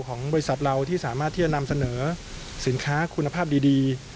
ของบริษัทเราที่สามารถที่จะนำเสนอสินค้าคุณภาพดี